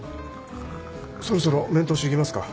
そろそろ面通し行きますか。